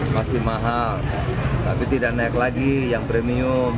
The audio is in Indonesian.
masih mahal tapi tidak naik lagi yang premium